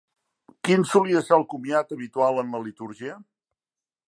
Quin solia ser el comiat habitual en la litúrgia?